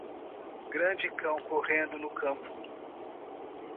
Grande cão correndo no campo.